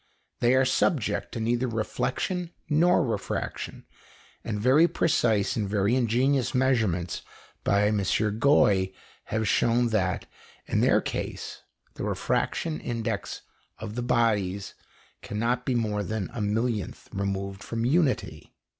They are subject to neither reflection nor refraction, and very precise and very ingenious measurements by M. Gouy have shown that, in their case, the refraction index of the various bodies cannot be more than a millionth removed from unity.